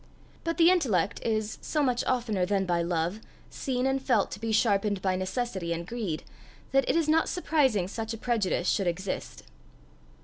But the intellect is, so much oftener than by love, seen and felt to be sharpened by necessity and greed, that it is not surprising such a prejudice should exist.